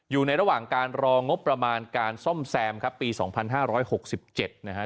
อยู่ในระหว่างการรองบประมาณการซ่อมแซมครับปี๒๕๖๗นะฮะ